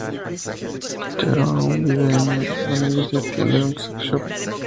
Charo aún vive con ellos y atiende un sex shop.